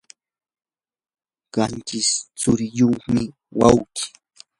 qanchis tsuriyuqmi wawqi.